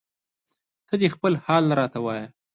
ته دې خپل حال راته وایه